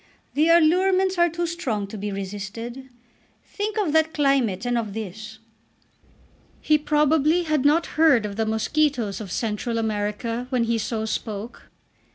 The allurements are too strong to be resisted. Think of that climate and of this." He probably had not heard of the mosquitoes of Central America when he so spoke.